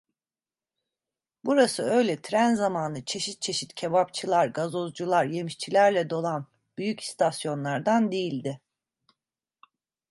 Burası öyle tren zamanı çeşit çeşit kebapçılar, gazozcular, yemişçilerle dolan büyük istasyonlardan değildi.